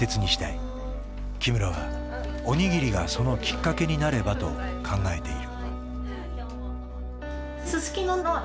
木村はお握りがそのきっかけになればと考えている。